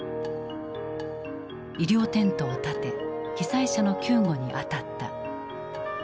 医療テントをたて被災者の救護に当たった。